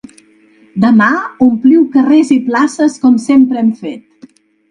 Demà ompliu carrers i places com sempre hem fet.